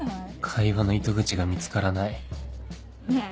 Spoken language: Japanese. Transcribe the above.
会話の糸口が見つからないねぇ